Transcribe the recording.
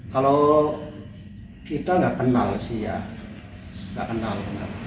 kalau kita nggak kenal sih ya nggak kenal